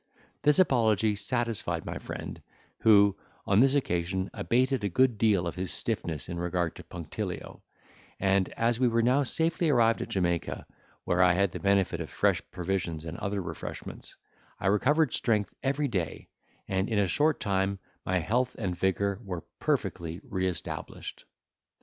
This apology satisfied my friend, who, on this occasion, abated a good deal of his stiffness in regard to punctilio; and as we were now safely arrived at Jamaica, where I had the benefit of fresh provisions and other refreshments, I recovered strength every day, and, in a short time, my health and vigour were perfectly re established.